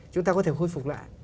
chúng ta có thể khôi phục lại